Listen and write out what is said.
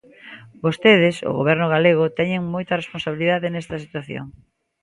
Vostedes, o Goberno galego, teñen moita responsabilidade nesta situación.